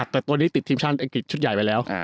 แต่ตัวนี้ติดทีมชาติอังกฤษชุดใหญ่ไปแล้ว